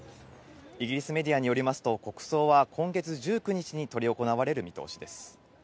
イギリスメディアによりますと、国葬は今月１９日に執り行われる見通しです。